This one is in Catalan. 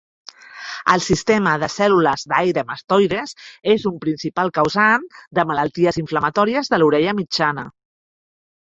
El sistema de cèl·lules d'aire mastoides és un principal causant de malalties inflamatòries de l'orella mitjana.